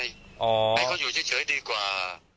ให้เขาอยู่เฉยดีกว่า